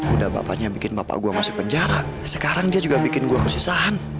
udah bapaknya bikin bapak gue masuk penjara sekarang dia juga bikin gue kesusahan